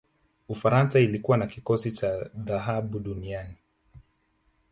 ufaransa ilikuwa na kikosi cha dhahabu duniani